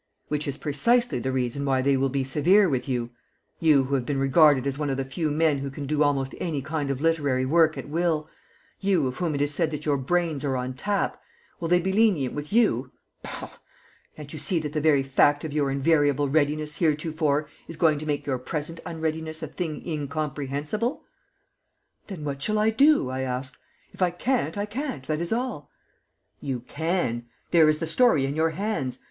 "Which is precisely the reason why they will be severe with you. You, who have been regarded as one of the few men who can do almost any kind of literary work at will you, of whom it is said that your 'brains are on tap' will they be lenient with you? Bah! Can't you see that the very fact of your invariable readiness heretofore is going to make your present unreadiness a thing incomprehensible?" "Then what shall I do?" I asked. "If I can't, I can't, that is all." "You can. There is the story in your hands.